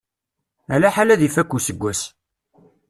Alaḥal ad ifakk useggas.